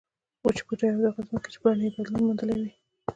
وچ بوټي او هغه ځمکې چې بڼې یې بدلون موندلی وي.